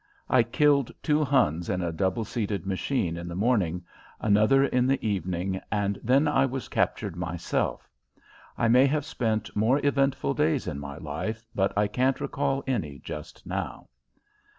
I killed two Huns in a double seated machine in the morning, another in the evening, and then I was captured myself. I may have spent more eventful days in my life, but I can't recall any just now.